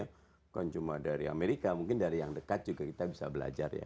bukan cuma dari amerika mungkin dari yang dekat juga kita bisa belajar ya